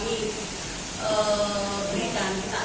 itu tidak ada ismang ismang saja